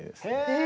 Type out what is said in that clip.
え！